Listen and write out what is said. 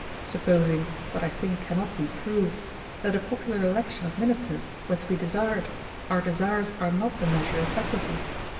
Supposing, what I think cannot be proved, that a popular election of ministers were to be desired, our desires are not the measure of equity.